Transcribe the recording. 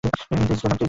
Please Sulaiman!